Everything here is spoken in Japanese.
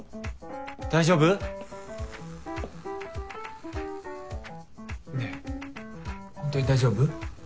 大丈夫？ねえほんとに大丈夫？